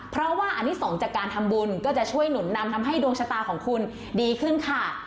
เพราะว่าอนิสงฆ์จากการทำบุญก็จะช่วยหนุนนำทำให้ดวงชะตาของคุณดีขึ้นค่ะ